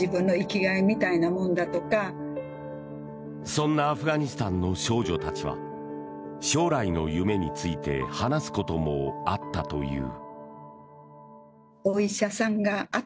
そんなアフガニスタンの少女たちは将来の夢について話すこともあったという。